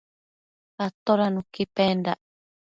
Atoda nuqui pendac?